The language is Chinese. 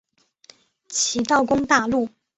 齐悼公大怒。